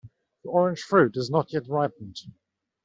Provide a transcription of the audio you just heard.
The orange fruit is not yet ripened.